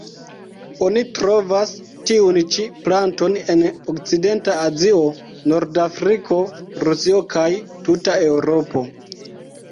Oni trovas tiun ĉi planton en okcidenta Azio, Nordafriko, Rusio kaj tuta Eŭropo.